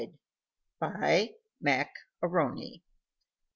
BY MAC A'RONY.